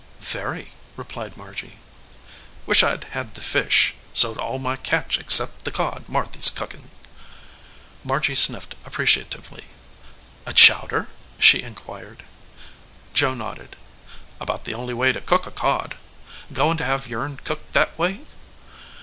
"Very," replied Margy. "Wish I d had the fish. Sold all my catch ex cept the cod Marthy s cookin ." Margy sniffed appreciatively. "A chowder?" she inquired. Joe nodded. "About the only way to cook a cod. Goin to have yourn cooked that way?"